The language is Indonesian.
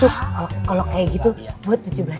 kalau kayak gitu buat tujuh belas tahun ke atas